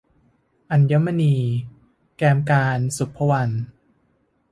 อัญมณี - แกมกาญจน์ ศุภวรรณ